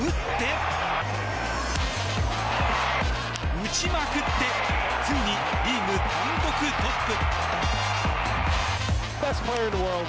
打ちまくってついにリーグ単独トップ！